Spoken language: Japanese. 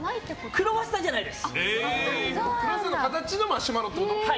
クロワッサンの形のマシュマロってことね。